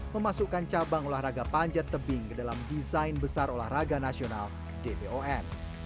memasukkan cabang olahraga panjat tebing ke dalam desain besar olahraga nasional dbon